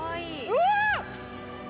うわっ！